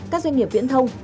các doanh nghiệp viễn thông